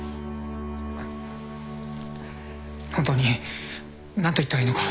本当に何と言ったらいいのか。